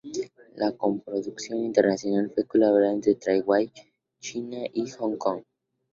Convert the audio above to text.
La coproducción internacional fue colaboración entre Taiwán, China y Hong-Kong.